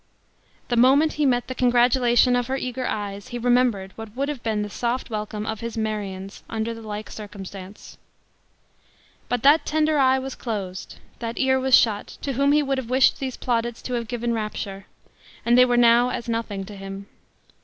The moment he met the congratulation of her eager eyes, he remembered what would have been the soft welcome of his Marion's under the like circumstance! But that tender eye was closed that ear was shut, to whom he would have wished these plaudits to have given rapture and they were now as nothing to him.